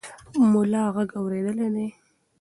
ملا غږ اورېدلی دی.